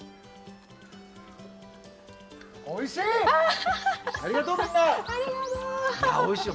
おいしい！